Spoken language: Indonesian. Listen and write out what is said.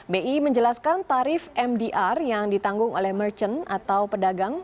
bi menjelaskan tarif mdr yang ditanggung oleh merchant atau pedagang